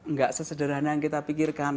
nggak sesederhana yang kita pikirkan